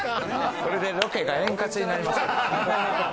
これでロケが円滑になります。